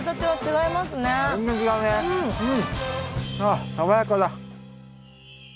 あ爽やかだ。